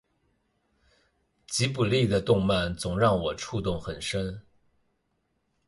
吉卜力的动漫总让我触动很深